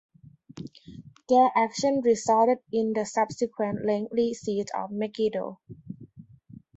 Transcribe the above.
Their action resulted in the subsequent lengthy Siege of Megiddo.